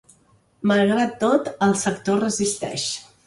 Malgrat tot, el sector resisteix.